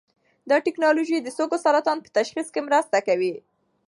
دا ټېکنالوژي د سږو سرطان په تشخیص کې مرسته کوي.